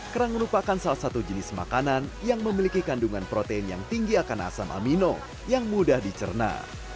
kerang merupakan salah satu jenis makanan yang memiliki kandungan protein yang tinggi akan asam amino yang mudah dicerna